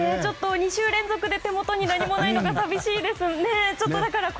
２週連続で手元に何もないのが寂しいです。